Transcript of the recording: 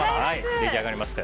出来上がりましたよ。